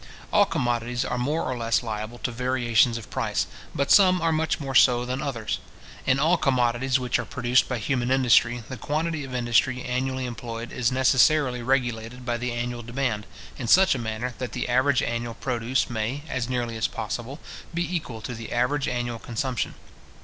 All commodities are more or less liable to variations of price, but some are much more so than others. In all commodities which are produced by human industry, the quantity of industry annually employed is necessarily regulated by the annual demand, in such a manner that the average annual produce may, as nearly as possible, be equal to the average annual consumption.